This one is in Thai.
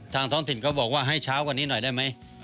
ท้องถิ่นเขาบอกว่าให้เช้ากว่านี้หน่อยได้ไหม